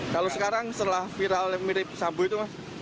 kalau sekarang setelah viral mirip sambo itu mas